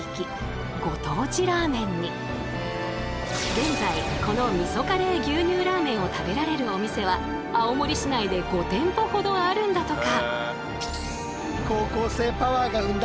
現在このみそカレー牛乳ラーメンを食べられるお店は青森市内で５店舗ほどあるんだとか。